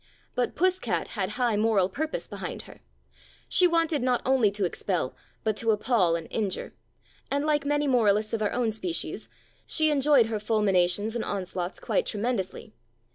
But Puss cat had high moral purpose behind her : she wanted not only to expel, but to appal and injure, and like many moralists of our own species, she enjoyed her fulmi nations and on slaughts quite tremendously.